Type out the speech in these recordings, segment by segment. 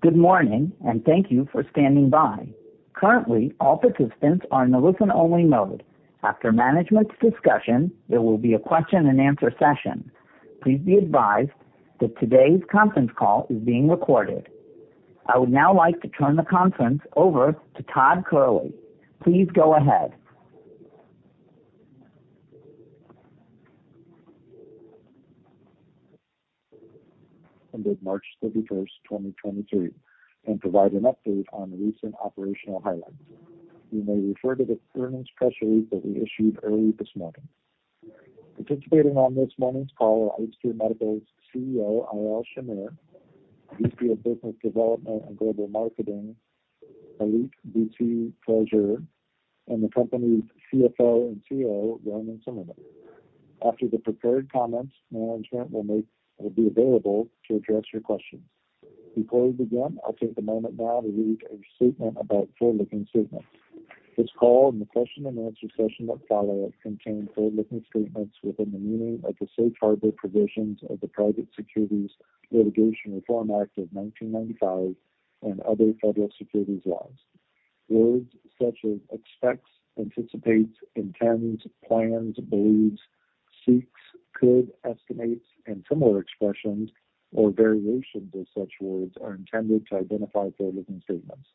Good morning, and thank you for standing by. Currently, all participants are in listen-only mode. After management's discussion, there will be a question-and-answer session. Please be advised that today's conference call is being recorded. I would now like to turn the conference over to Todd Kehrli. Please go ahead. Ended March 31, 2023, and provide an update on recent operational highlights. You may refer to the earnings press release that we issued early this morning. Participating on this morning's call are IceCure Medical's CEO, Eyal Shamir; VP of Business Development and Global Marketing, Tlalit Bussi Tel-Tzure; and the company's CFO and COO, Ronen Tsimerman. After the prepared comments, management will be available to address your questions. Before we begin, I'll take a moment now to read a statement about forward-looking statements. This call and the question-and-answer session that follows contain forward-looking statements within the meaning of the Safe Harbor provisions of the Private Securities Litigation Reform Act of 1995 and other federal securities laws. Words such as expects, anticipates, intends, plans, believes, seeks, could, estimates, and similar expressions or variations of such words are intended to identify forward-looking statements.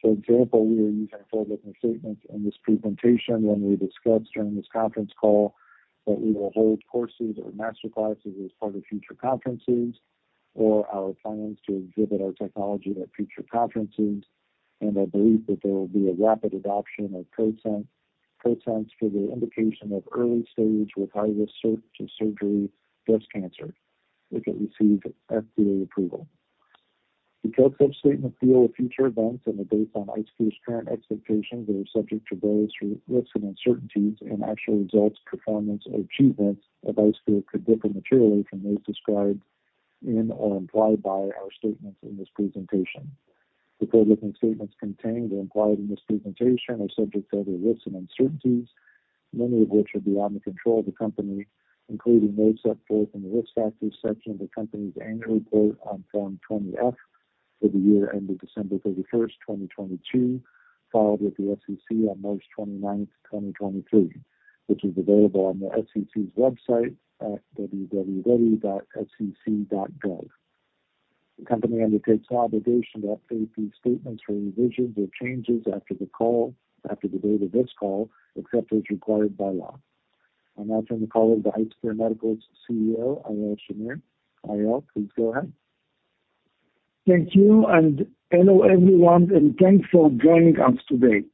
For example, we are using forward-looking statements in this presentation when we discuss during this conference call that we will hold courses or master classes as part of future conferences or our plans to exhibit our technology at future conferences, our belief that there will be a rapid adoption of ProSense for the indication of early-stage with high-risk surgery breast cancer if it receives FDA approval. Because such statements deal with future events and are based on IceCure's current expectations, they are subject to various risks and uncertainties, and actual results, performance, or achievements of IceCure could differ materially from those described in or implied by our statements in this presentation. The forward-looking statements contained or implied in this presentation are subject to other risks and uncertainties, many of which are beyond the control of the company, including those set forth in the Risk Factors section of the company's annual report on Form 20-F for the year ended 31 December 2022, filed with the SEC on March 29th, 2023, which is available on the SEC's website at www.sec.gov. The company undertakes no obligation to update these statements or revisions or changes after the date of this call, except as required by law. I'll now turn the call over to IceCure Medical's CEO, Eyal Shamir. Eyal, please go ahead. Thank you. Hello, everyone. Thanks for joining us today.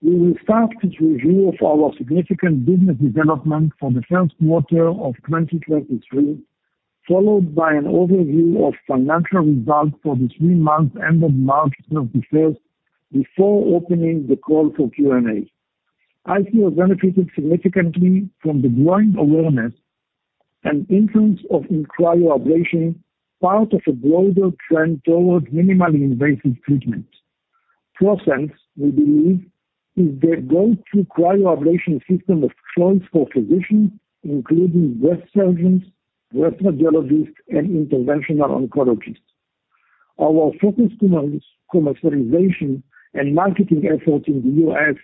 We will start with review of our significant business development for the Q1 of 2023, followed by an overview of financial results for the three months ended March 21st, before opening the call for Q&A. IceCure benefited significantly from the growing awareness and influence of in cryoablation, part of a global trend towards minimally invasive treatment. ProSense, we believe, is the go-to cryoablation system of choice for physicians, including breast surgeons, breast radiologists, and interventional oncologists. Our focus commercialization and marketing efforts in the US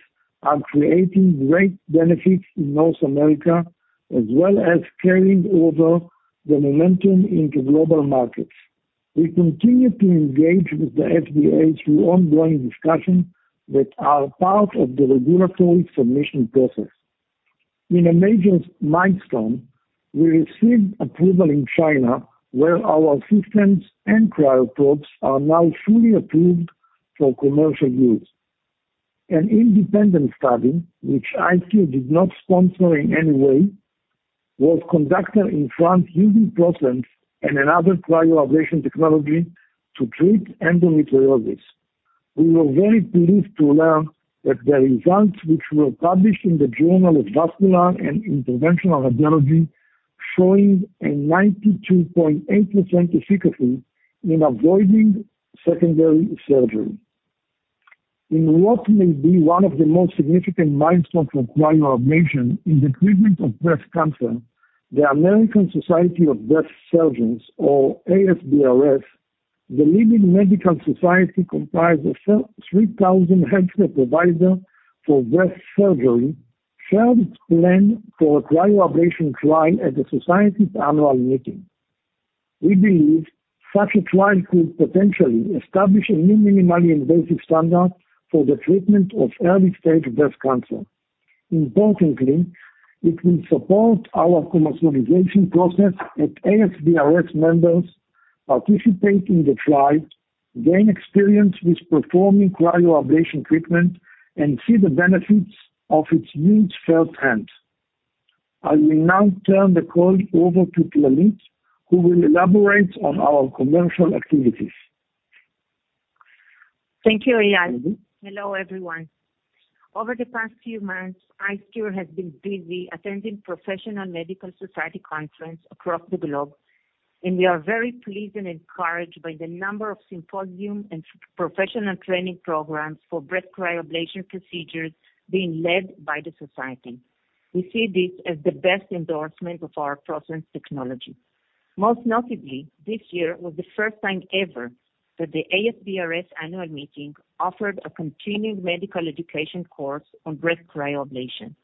are creating great benefits in North America, as well as carrying over the momentum into global markets. We continue to engage with the FDA through ongoing discussions that are part of the regulatory submission process. In a major milestone, we received approval in China, where our systems and cryoprobe are now fully approved for commercial use. An independent study, which IceCure did not sponsor in any way, was conducted in France using ProSense and another cryoablation technology to treat endometriosis. We were very pleased to learn that the results which were published in the Journal of Vascular and Interventional Radiology showing a 92.8% efficacy in avoiding secondary surgery. In what may be one of the most significant milestones in cryoablation in the treatment of breast cancer, the American Society of Breast Surgeons, or ASBRS, the leading medical society comprised of 3,000 healthcare providers for breast surgery, shared its plan for a cryoablation trial at the society's annual meeting. We believe such a trial could potentially establish a new minimally invasive standard for the treatment of early-stage breast cancer. Importantly, it will support our commercialization process as ASBrS members participate in the trial, gain experience with performing cryoablation treatment, and see the benefits of its use firsthand. I will now turn the call over to Talit, who will elaborate on our commercial activities. Thank you, Eyal. Hello, everyone. Over the past few months, IceCure has been busy attending professional medical society conference across the globe, and we are very pleased and encouraged by the number of symposium and professional training programs for breast cryoablation procedures being led by the society. We see this as the best endorsement of our ProSense technology. Most notably, this year was the first time ever that the ASBRS annual meeting offered a continuing medical education course on breast cryoablation.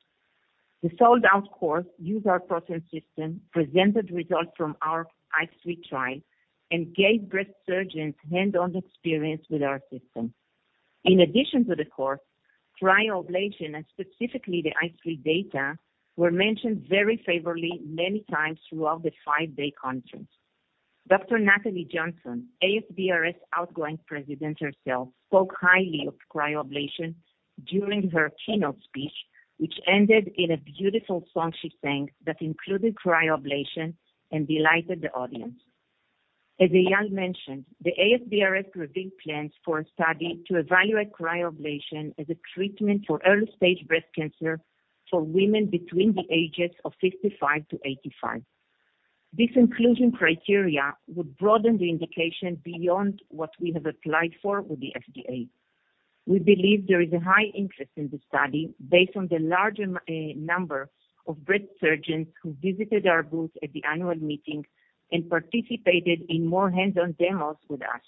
The sold-out course used our ProSense system, presented results from our ICE3 trial, and gave breast surgeons hands-on experience with our system. In addition to the course, cryoablation, and specifically the ICE3 data, were mentioned very favorably many times throughout the five-day conference. Dr. Natalie Johnson, ASBRS outgoing president herself, spoke highly of cryoablation during her keynote speech, which ended in a beautiful song she sang that included cryoablation and delighted the audience. As Eyal mentioned, the ASBRS revealed plans for a study to evaluate cryoablation as a treatment for early-stage breast cancer for women between the ages of 55-85. This inclusion criteria would broaden the indication beyond what we have applied for with the FDA. We believe there is a high interest in this study based on the large number of breast surgeons who visited our booth at the annual meeting and participated in more hands-on demos with us.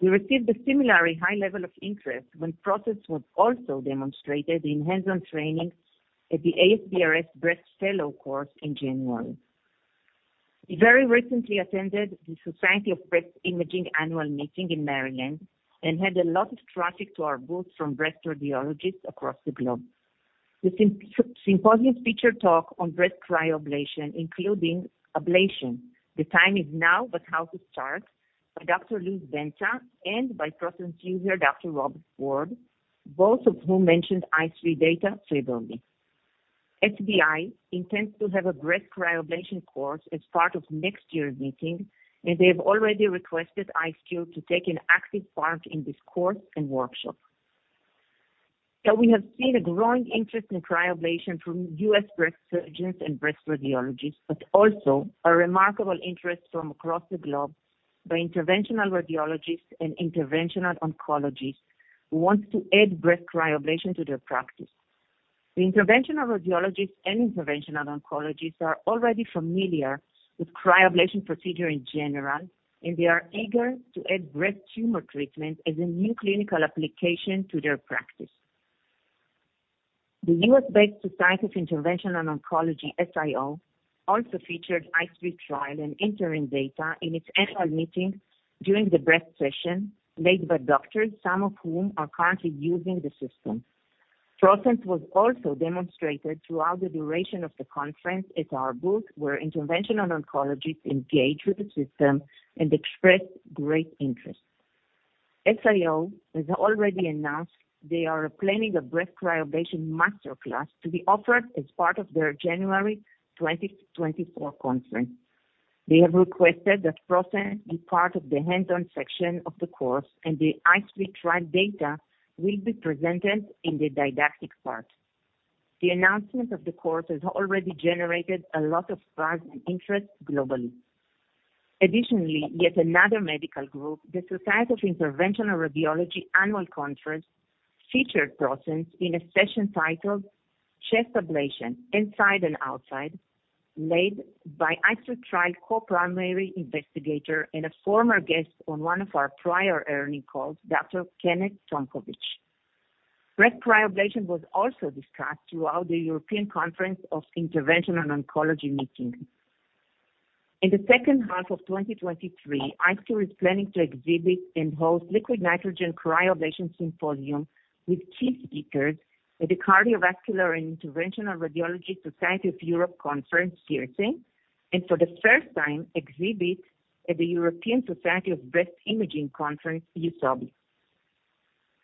We received a similarly high level of interest when ProSense was also demonstrated in hands-on training at the ASBRS breast fellow course in January. We very recently attended the Society of Breast Imaging annual meeting in Maryland and had a lot of traffic to our booth from breast radiologists across the globe. The symposium featured talk on breast cryoablation, including ablation: The time is now, but how to start, by Dr. Louis Benta and by ProSense user Dr. Robert Ward, both of whom mentioned ICE3 data favorably. SBI intends to have a breast cryoablation course as part of next year's meeting, and they have already requested IceCure to take an active part in this course and workshop. We have seen a growing interest in cryoablation from US breast surgeons and breast radiologists, but also a remarkable interest from across the globe by interventional radiologists and interventional oncologists who wants to add breast cryoablation to their practice. The interventional radiologists and interventional oncologists are already familiar with cryoablation procedure in general, and they are eager to add breast tumor treatment as a new clinical application to their practice. The US-based Society of Interventional Oncology, SIO, also featured ICE3 trial and interim data in its annual meeting during the breast session led by doctors, some of whom are currently using the system. ProSense was also demonstrated throughout the duration of the conference at our booth, where interventional oncologists engaged with the system and expressed great interest. SIO has already announced they are planning a breast cryoablation master class to be offered as part of their January 2024 conference. They have requested that ProSense be part of the hands-on section of the course, and the ICE3 trial data will be presented in the didactic part. The announcement of the course has already generated a lot of buzz and interest globally. Additionally, yet another medical group, the Society of Interventional Radiology Annual Conference, featured ProSense in a session titled Chest Ablation Inside and Outside, led by ICE3 trial co-primary investigator and a former guest on one of our prior earning calls, Dr. Kenneth Tomkovich. Breast cryoablation was also discussed throughout the European Conference on Interventional Oncology meeting. In the H2 of 2023, IceCure is planning to exhibit and host liquid nitrogen cryoablation symposium with key speakers at the Cardiovascular and Interventional Radiological Society of Europe Conference, CIRSE, and for the first time exhibit at the European Society of Breast Imaging Conference, EUSOBI.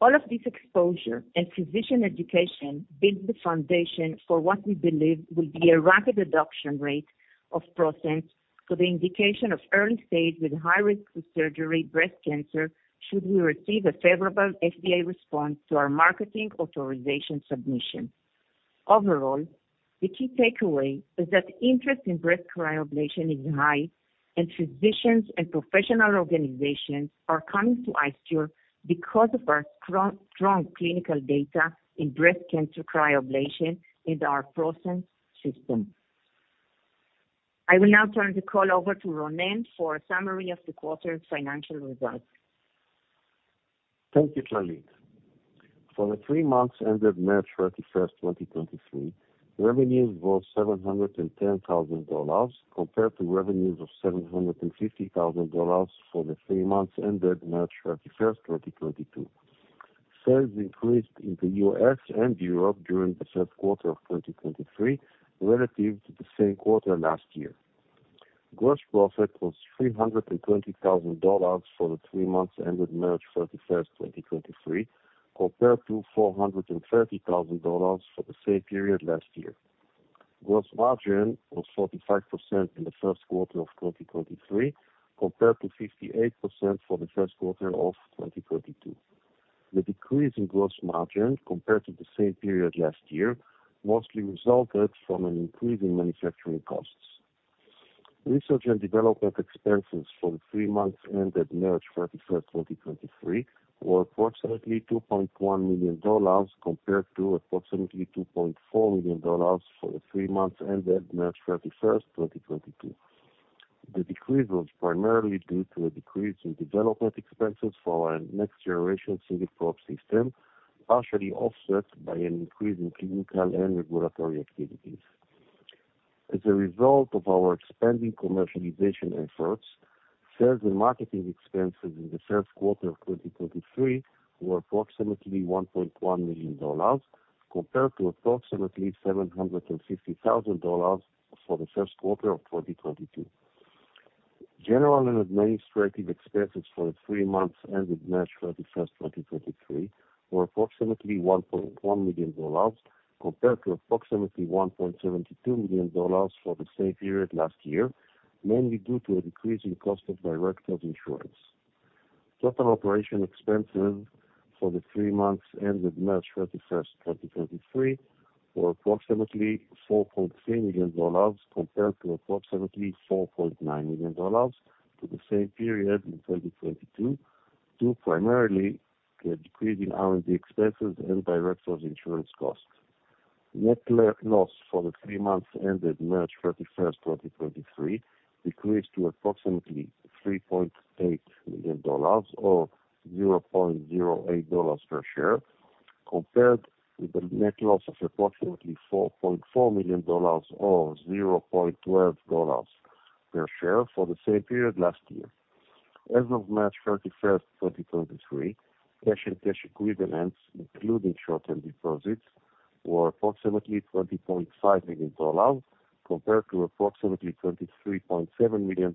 All of this exposure and physician education builds the foundation for what we believe will be a rapid adoption rate of ProSense for the indication of early-stage with high risk for surgery breast cancer should we receive a favorable FDA response to our marketing authorization submission. Overall, the key takeaway is that interest in breast cryoablation is high, and physicians and professional organizations are coming to IceCure because of our strong clinical data in breast cancer cryoablation and our ProSense system. I will now turn the call over to Ronen for a summary of the quarter's financial results. Thank you, Talit. For the three months ended March 31st, 2023, revenues were $710,000 compared to revenues of $750,000 for the three months ended March 31st, 2022. Sales increased in the US and Europe during the Q3 of 2023 relative to the same quarter last year. Gross profit was $320,000 for the three months ended March 31st, 2023, compared to $430,000 for the same period last year. Gross margin was 45% in the Q1 of 2023, compared to 58% for the Q1 of 2022. The decrease in gross margin compared to the same period last year mostly resulted from an increase in manufacturing costs. Research and development expenses for the three months ended March 31st, 2023, were approximately $2.1 million compared to approximately $2.4 million for the three months ended March 31st, 2022. The decrease was primarily due to a decrease in development expenses for our next-generation IcePro system, partially offset by an increase in clinical and regulatory activities. As a result of our expanding commercialization efforts, sales and marketing expenses in the Q1 of 2023 were approximately $1.1 million compared to approximately $750,000 for the Q1 of 2022. General and administrative expenses for the three months ended March 31, 2023, were approximately $1.1 million compared to approximately $1.72 million for the same period last year, mainly due to a decrease in cost of directors' insurance. Total operation expenses for the three months ended March 31, 2023, were approximately $4.3 million compared to approximately $4.9 million for the same period in 2022, due primarily to a decrease in R&D expenses and directors' insurance costs. Net loss for the three months ended March 31, 2023, decreased to approximately $3.8 million or $0.08 per share, compared with the net loss of approximately $4.4 million or $0.12 per share for the same period last year. As of March 31, 2023, cash and cash equivalents, including short-term deposits, were approximately $20.5 million compared to approximately $23.7 million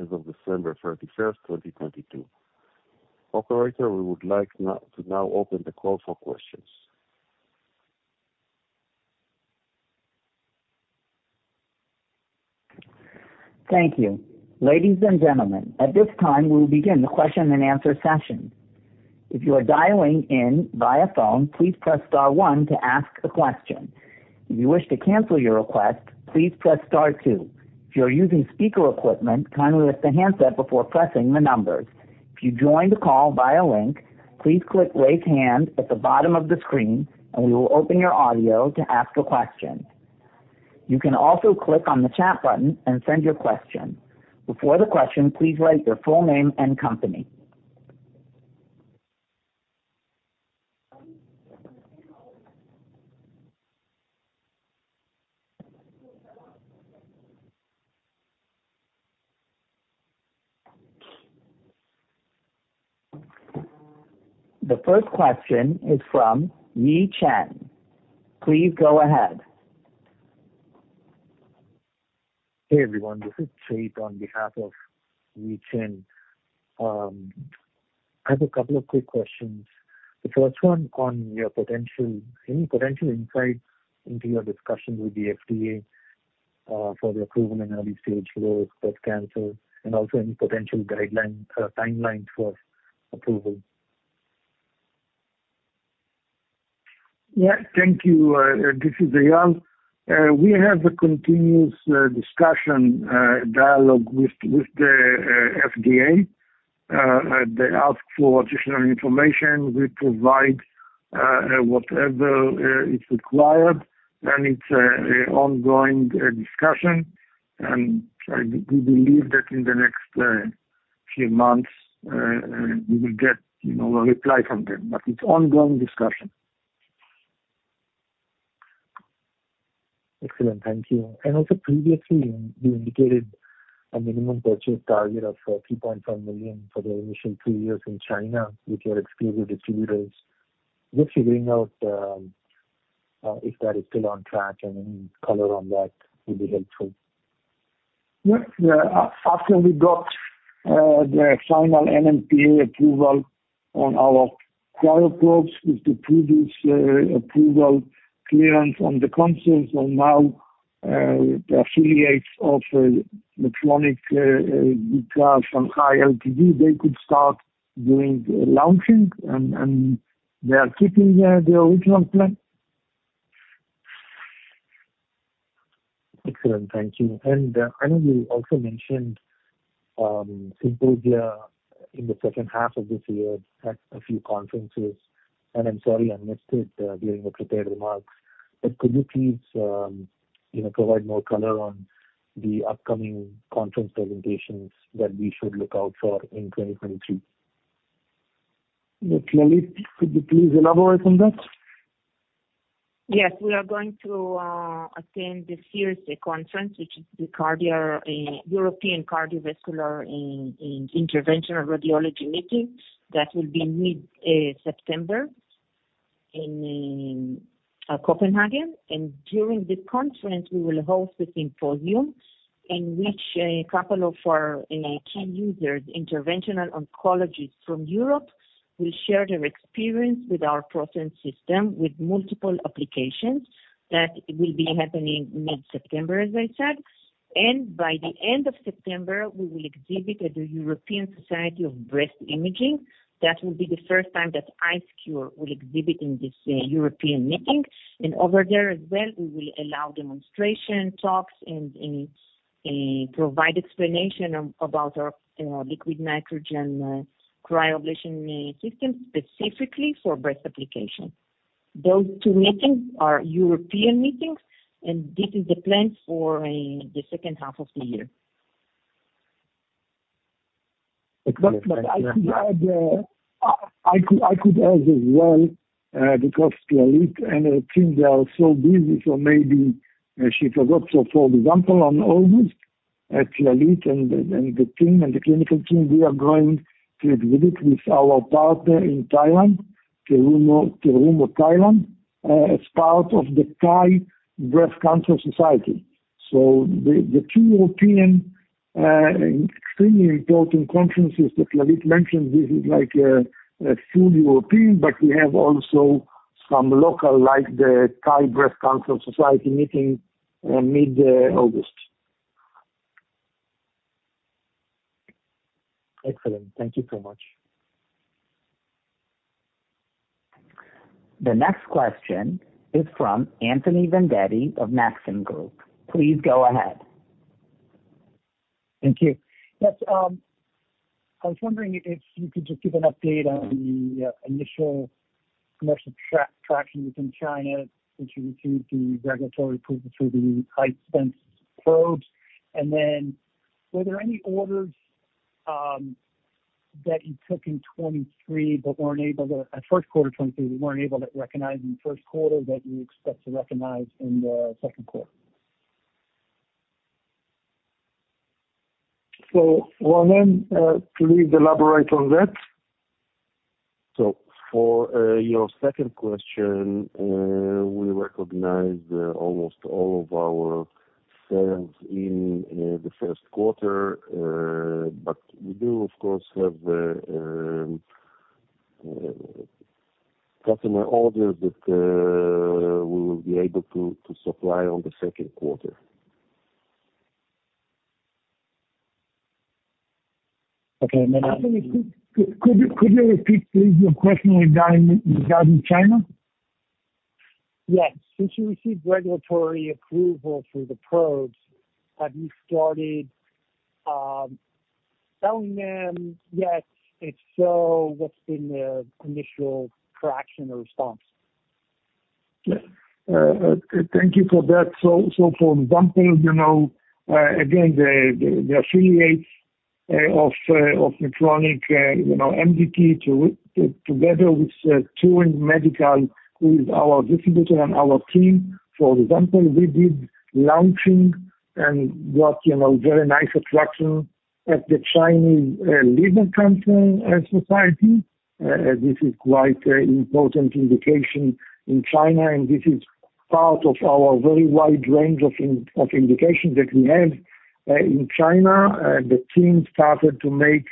as of December 31, 2022. Operator, we would like to now open the call for questions. Thank you. Ladies and gentlemen, at this time, we'll begin the question-and-answer session. If you are dialing in via phone, please press star one to ask a question. If you wish to cancel your request, please press star two. If you are using speaker equipment, kindly lift the handset before pressing the numbers. If you joined the call via link, please click Raise Hand at the bottom of the screen, and we will open your audio to ask a question. You can also click on the chat button and send your question. Before the question, please write your full name and company. The first question is from Yi Chen. Please go ahead. Hey, everyone. This is Chase on behalf of Yi Chen. I have a couple of quick questions. The first one on any potential insight into your discussions with the FDA for the approval in early-stage growth, breast cancer, and also any potential guideline timeline for approval. Yeah. Thank you. This is Eyal. We have a continuous discussion, dialogue with the FDA. They ask for additional information. We provide whatever is required. It's an ongoing discussion. We believe that in the next few months, we will get, you know, a reply from them, but it's ongoing discussion. Excellent. Thank you. Previously, you indicated a minimum purchase target of $2.5 million for the initial two years in China with your exclusive distributors. Just figuring out if that is still on track and any color on that will be helpful. Yeah. After we got the final NMPA approval on our trial probes with the previous approval clearance on the consoles. Now the affiliates of Medtronic because from ILPD, they could start doing the launching, and they are keeping the original plan. Excellent. Thank you. I know you also mentioned, symposia in the H2 of this year at a few conferences, and I'm sorry I missed it during the prepared remarks. Could you please, you know, provide more color on the upcoming conference presentations that we should look out for in 2023? Yeah. Tlalit, could you please elaborate on that? Yes. We are going to attend this year's conference, which is the cardiac European Cardiovascular and Interventional Radiology Meeting. That will be mid-September in Copenhagen. During this conference, we will host a symposium in which a couple of our key users, interventional oncologists from Europe, will share their experience with our prostate system with multiple applications. That will be happening mid-September, as I said. By the end of September, we will exhibit at the European Society of Breast Imaging. That will be the first time that IceCure will exhibit in this European meeting. Over there as well, we will allow demonstration talks and provide explanation about our, you know, liquid nitrogen cryoablation system specifically for breast application. Those two meetings are European meetings. This is the plan for the H2 of the year. Exactly. I could add as well, because Tlalit and her team, they are so busy, so maybe she forgot. For example, on August, Tlalit and the team, and the clinical team, we are going to meet with our partner in Thailand, Terumo Thailand, as part of the Thai Breast Surgeons Society. The two European, extremely important conferences that Tlalit mentioned, this is like, a full European, but we have also some local, like, the Thai Breast Surgeons Society meeting, mid August. Excellent. Thank you so much. The next question is from Anthony Vendetti of Maxim Group. Please go ahead. Thank you. Yes, I was wondering if you could just give an update on the initial commercial traction within China since you received the regulatory approval for the large probes. Were there any orders that you took in 2023 but weren't able to recognize in the Q1 that you expect to recognize in the second quarter? Ronen, please elaborate on that? For your second question, we recognize almost all of our sales in the Q1. We do, of course, have the customer orders that we will be able to supply on the second quarter. Okay. Could you repeat please your question regarding China? Yes. Since you received regulatory approval for the probes, have you started selling them yet? If so, what's been the initial traction or response? Thank you for that. For example, you know, again, the affiliates of Medtronic, you know, MDT together with Turing Medical, who is our distributor and our team, for example, we did launching and got, you know, very nice attraction at the Chinese Liver Cancer Society. This is quite an important indication in China, and this is part of our very wide range of indications that we have in China. The team started to make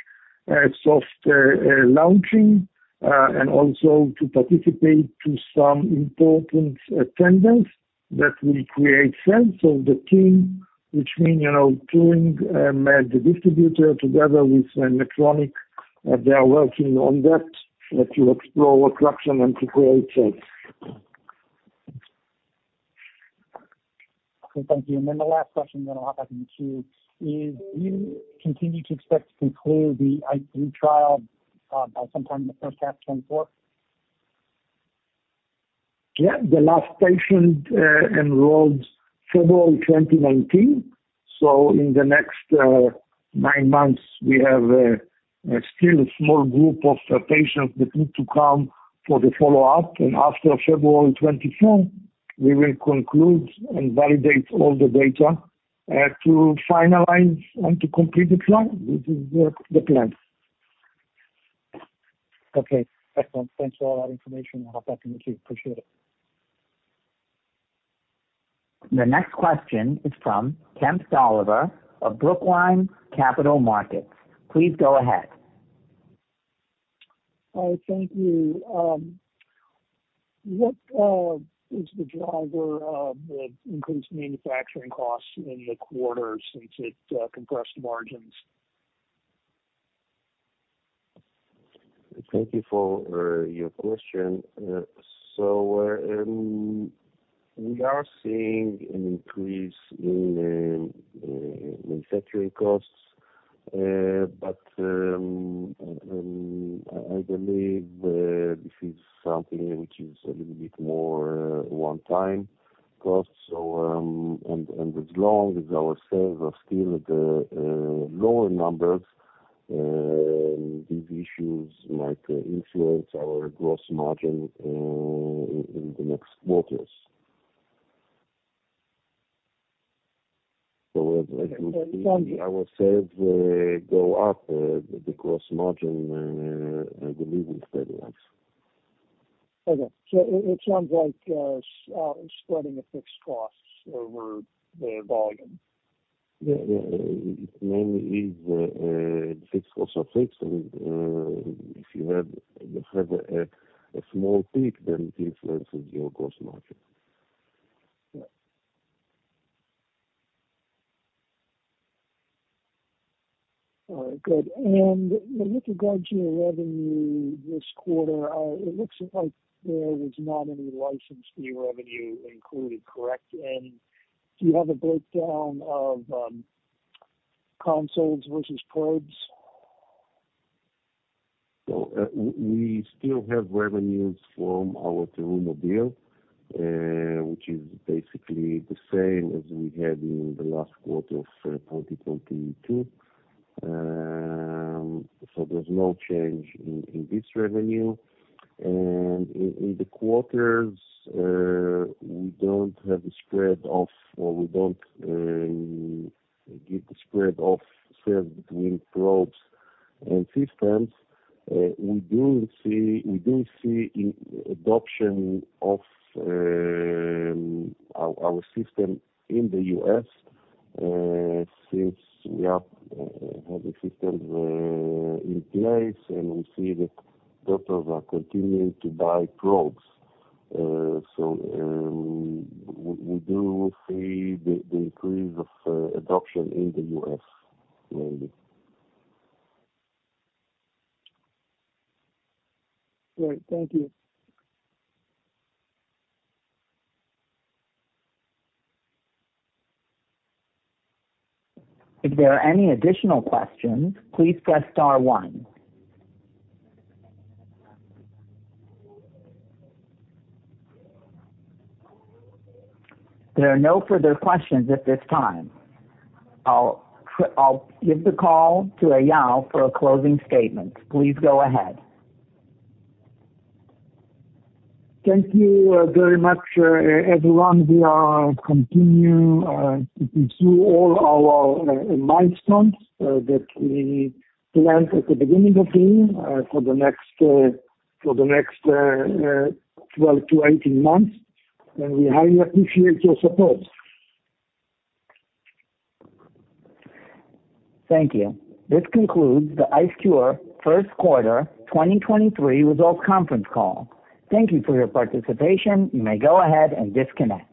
soft launching and also to participate to some important attendance that will create sales. The team, which means, you know, Turing, the distributor together with Medtronic, they are working on that to explore attraction and to create sales. Okay. Thank you. The last question then I'll pass on to you. Do you continue to expect to conclude the ICE3 trial by sometime in the H1 2024? Yeah. The last patient enrolled February 2019. In the next nine months, we have still a small group of patients that need to come for the follow-up. After February 24, we will conclude and validate all the data to finalize and to complete the trial. This is the plan. Okay. Excellent. Thanks for all that information. I'll pass back to you. Appreciate it. The next question is from Kemp Dolliver of Brookline Capital Markets. Please go ahead. Hi. Thank you. What is the driver of the increased manufacturing costs in the quarter since it compressed margins? Thank you for your question. We are seeing an increase in manufacturing costs. I believe this is something which is a little bit more one-time cost. As long as our sales are still at lower numbers, these issues might influence our gross margin in the next quarters. As our sales go up, the gross margin, I believe will stabilize. It sounds like, spreading the fixed costs over the volume. Yeah. Yeah. It mainly is, the fixed costs are fixed. If you have a small peak, it influences your gross margin. Yeah. All right, good. With regard to your revenue this quarter, it looks like there was not any license fee revenue included, correct? Do you have a breakdown of consoles versus probes? We still have revenues from our Terumo deal, which is basically the same as we had in the last quarter of 2022. There's no change in this revenue. In the quarters, we don't have the spread of, or we don't get the spread of sales between probes and systems. We do see adoption of our system in the US, since we have the systems in place, and we see that doctors are continuing to buy probes. We do see the increase of adoption in the US mainly. Great. Thank you. If there are any additional questions, please press star one. There are no further questions at this time. I'll give the call to Eyal for a closing statement. Please go ahead. Thank you, very much, everyone. We are continue to pursue all our milestones that we planned at the beginning of the year, for the next 12-18 months. We highly appreciate your support. Thank you. This concludes the IceCure Q1 2023 results conference call. Thank you for your participation. You may go ahead and disconnect.